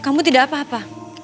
kamu tidak apa apa